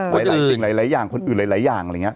หลายสิ่งหลายอย่างคนอื่นหลายอย่างอะไรอย่างนี้